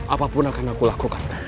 apapun akan aku lakukan